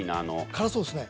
辛そうっすね。